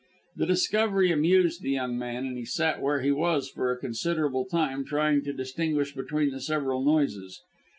The discovery amused the young man, and he sat where he was for a considerable time trying to distinguish between the several noises.